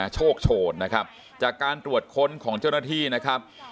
โชคโชนนะครับจากการตรวจค้นของเจ้าหน้าที่นะครับ